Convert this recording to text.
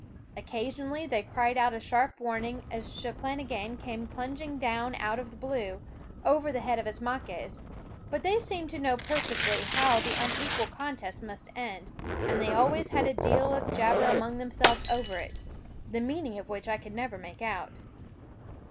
Occasionally they cried out a sharp warning as Cheplahgan came plunging down out of the blue, over the head of Ismaques; but they seemed to know perfectly how the unequal contest must end, and they always had a deal of jabber among themselves over it, the meaning of which I could never make out.